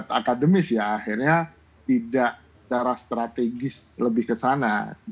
pak mahfud terbiasa debat akademis ya akhirnya tidak secara strategis lebih ke sana